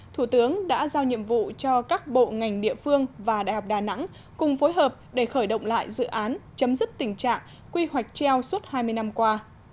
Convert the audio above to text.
thủ tướng đã giao nhiệm vụ cho các bộ ngành địa phương và đại học đà nẵng cùng phối hợp để khởi động lại dự án chấm dứt tình trạng quy hoạch treo suốt hai mươi năm qua